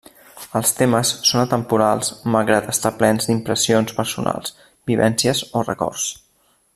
Els temes són atemporals malgrat estar plens d'impressions personals, vivències o records.